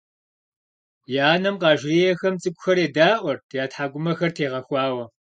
Я анэм къажриӀэхэм цӀыкӀухэр едаӀуэрт я тхьэкӀумэхэр тегъэхуауэ.